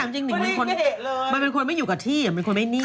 นี่น่าจริงมันเป็นคนไม่อยู่กับที่มันเป็นคนไม่นิ่ง